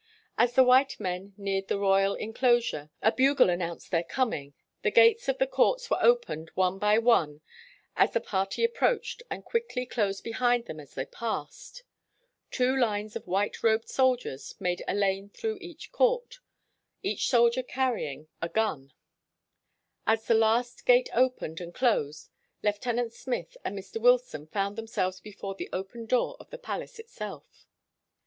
As the white men neared the royal en closure, a bugle announced their coming, the gates of the courts were opened one by one as the party approached, and quickly closed behind them as they passed. Two lines of white robed soldiers made a lane through each court, each soldier carrying a 75 WHITE MAN OF WORK gun. As the last gate opened and closed, Lieutenant Smith and Mr. Wilson found themselves before the open door of the pal ace itself.